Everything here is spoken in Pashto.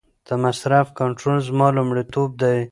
د مصرف کنټرول زما لومړیتوب دی.